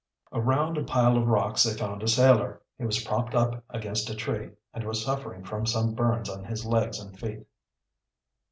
Around a pile of rocks they found a sailor. He was propped up against a tree, and was suffering from some burns on his legs and feet.